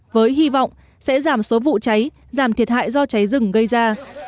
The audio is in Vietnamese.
với hy vọng sẽ giảm số vụ cháy giảm thiệt hại do cháy rừng gây ra